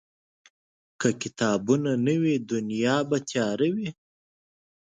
که کتابونه نه وي، دنیا به تیاره وي.